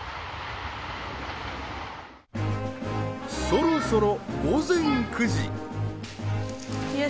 そろそろ午前９時。